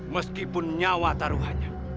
meskipun nyawa taruhannya